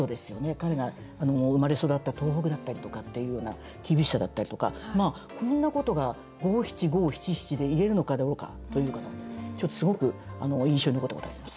彼が生まれ育った東北だったりとかっていうような厳しさだったりとかこんなことが五七五七七で言えるのかどうかすごく印象に残ったことがあります。